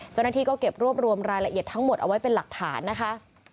เจ้าหน้าที่ก็เก็บรวบรวมรายละเอียดทั้งหมดเอาไว้เป็นหลักฐานนะคะ